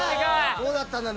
どうだったんだ？